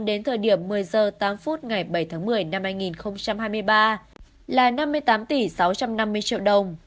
đến thời điểm một mươi h tám phút ngày bảy tháng một mươi năm hai nghìn hai mươi ba là năm mươi tám tỷ sáu trăm năm mươi triệu đồng